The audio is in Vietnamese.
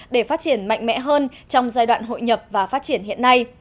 để phát triển mạnh mẽ hơn trong giai đoạn hội nhập và phát triển hiện nay